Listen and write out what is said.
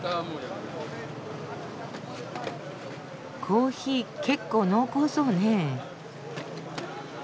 コーヒー結構濃厚そうねえ。